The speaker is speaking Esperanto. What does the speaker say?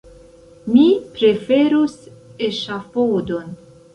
Mi preferus eŝafodon!